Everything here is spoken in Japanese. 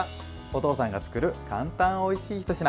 お父さんが作る簡単おいしいひと品。